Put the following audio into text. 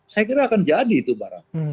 saya kira akan jadi itu barang